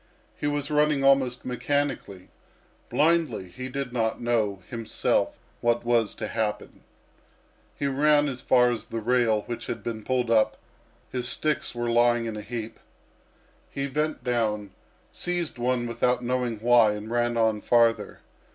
He was running almost mechanically, blindly; he did not know himself what was to happen. He ran as far as the rail which had been pulled up; his sticks were lying in a heap. He bent down, seized one without knowing why, and ran on farther.